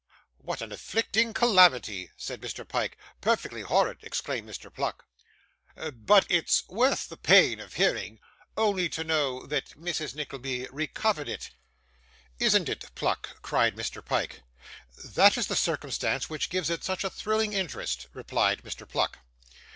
'What an afflicting calamity!' said Mr. Pyke. 'Perfectly horrid!' exclaimed Mr. Pluck. 'But it's worth the pain of hearing, only to know that Mrs. Nickleby recovered it, isn't it, Pluck?' cried Mr. Pyke. 'That is the circumstance which gives it such a thrilling interest,' replied Mr. Pluck.